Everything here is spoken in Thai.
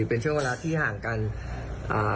เป็นช่วงเวลาที่คุณนาราเข้ามา